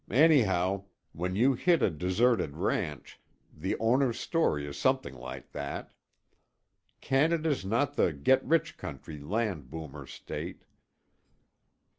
Anyhow, when you hit a deserted ranch, the owner's story is something like that. Canada's not the get rich country land boomers state."